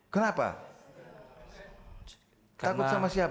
kenapa takut sama siapa